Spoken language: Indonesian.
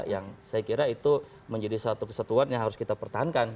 yang saya kira itu menjadi satu kesatuan yang harus kita pertahankan